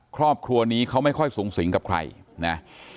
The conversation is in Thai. ครอบครัวนี้เขาไม่ค่อยสูงสิงกับใครนะ